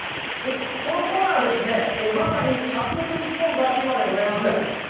このコーナーはですね、まさに「発掘！ニッポン」がテーマでございます。